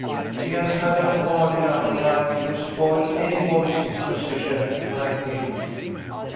She has had a hard enough time to spoil anybody's disposition, I think."